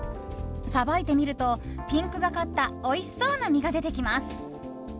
さばいてみるとピンクがかったおいしそうな身が出てきます。